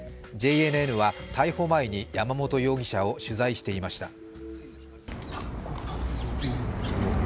ＪＮＮは逮捕前に山本容疑者を取材していました。